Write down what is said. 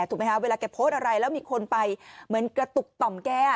ถูกไหมคะเวลาแกโพสต์อะไรแล้วมีคนไปเหมือนกระตุกต่อมแก